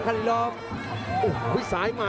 จริงครับ